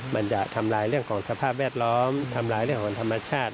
มันจะทำลายเรื่องของสภาพแวดล้อมทำลายเรื่องของธรรมชาติ